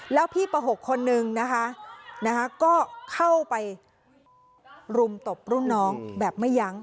แล้วพี่ป๖คนนึงนะคะก็เข้าไปรุมตบรุ่นน้องแบบไม่ยั้ง